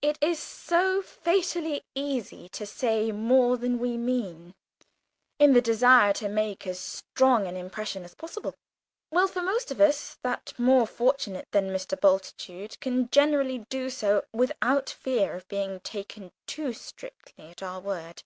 It is so fatally easy to say more than we mean in the desire to make as strong an impression as possible. Well for most of us that more fortunate than Mr. Bultitude we can generally do so without fear of being taken too strictly at our word.